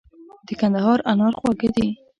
د کندهار انار خواږه دي.